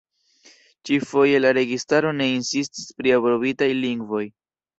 Ĉi-foje la registaro ne insistis pri aprobitaj lingvoj.